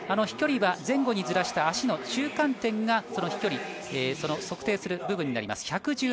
飛距離は前後にずらした足の中間点がその飛距離、測定する部分になります。